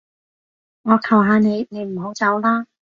我求下你，你唔好走啦